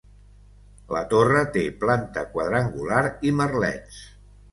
La Torre té planta quadrangular i merlets.